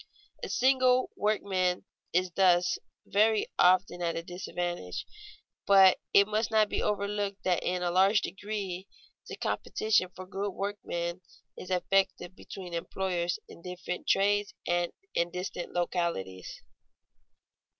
A single workman is thus very often at a disadvantage, but it must not be overlooked that in a large degree the competition for good workmen is effective between employers in different trades and in distant localities.